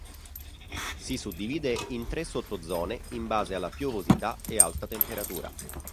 Si suddivide in tre sottozone in base alla piovosità e alta temperatura.